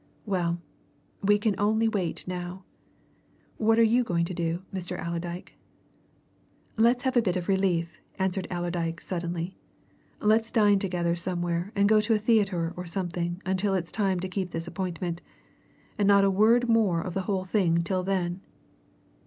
Well we can only wait now. What're you going to do, Mr. Allerdyke?" "Let's have a bit of a relief," answered, Allerdyke suddenly. "Let's dine together somewhere and go to a theatre or something until it's time to keep this appointment. And not a word more of the whole thing till then!"